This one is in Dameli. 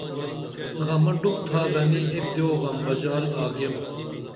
غمہ ڈُپ تھا گنی ایک دیو غم بژال آگیم